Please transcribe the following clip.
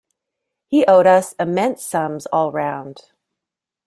He owed us immense sums all round.